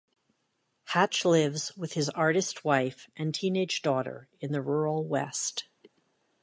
Hatch lives with his artist wife and teenage daughter in the rural West.